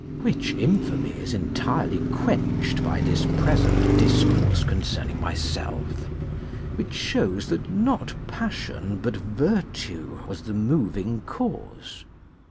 Which infamy is entirely quenched by this present discourse concerning myself, which shows that not passion but virtue was the moving cause.